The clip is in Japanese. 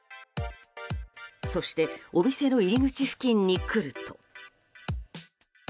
そしてお店の入り口付近に来ると。